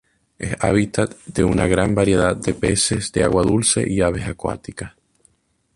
Es hábitat de una gran variedad de peces de agua dulce y aves acuáticas.